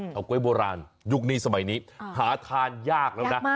ก๊วยโบราณยุคนี้สมัยนี้หาทานยากแล้วนะ